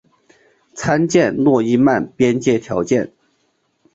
参见诺伊曼边界条件。